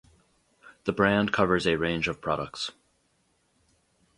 The brand covers a range of products.